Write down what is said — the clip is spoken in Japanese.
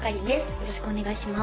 よろしくお願いします